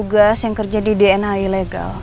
tugas yang kerja di dna ilegal